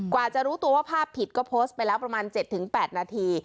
กว่าจะรู้ตัวว่าภาพผิดก็โพสต์ไปแล้วประมาณ๗๘นาที